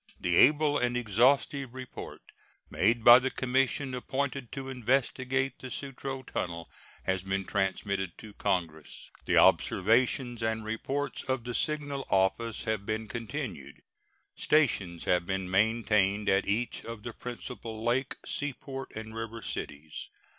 The able and exhaustive report made by the commission appointed to investigate the Sutro Tunnel has been transmitted to Congress. The observations and reports of the Signal Office have been continued. Stations have been maintained at each of the principal lake, seaport, and river cities.